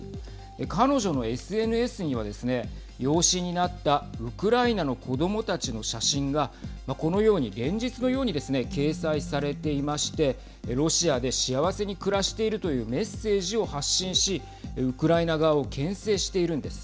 彼女のＳＮＳにはですね養子になったウクライナの子どもたちの写真がこのように連日のようにですね掲載されていましてロシアで幸せに暮らしているというメッセージを発信しウクライナ側をけん制しているんです。